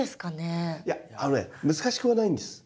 いやあのね難しくはないんです。